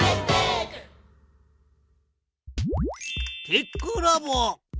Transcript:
テックラボ。